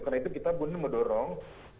karena itu kita benar benar mendorong